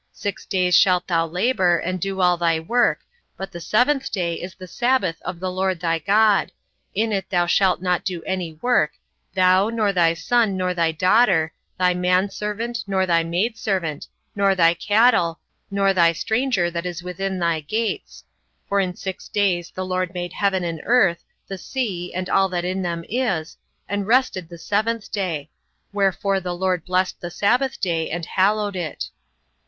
Six days shalt thou labour, and do all thy work; but the seventh day is the sabbath of the LORD thy God: in it thou shalt not do any work, thou, nor thy son, nor thy daughter, thy manservant, nor thy maidservant, nor thy cattle, nor thy stranger that is within thy gates. For in six days the LORD made heaven and earth, the sea, and all that in them is, and rested the seventh day: wherefore the LORD blessed the sabbath day, and hallowed it.